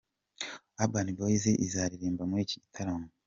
Urban boys izaririmba muri iki gitaramo.